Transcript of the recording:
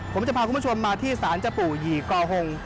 ผมจะพาคุณผู้ชมมาที่ศาลเจ้าปู่หยี่กอหง